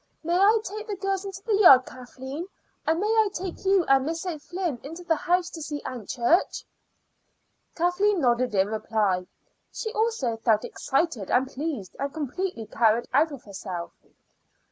May I take the girls into the yard, Kathleen? And may I take you and Miss O'Flynn into the house to see Aunt Church?" Kathleen nodded in reply. She also felt excited and pleased and completely carried out of herself.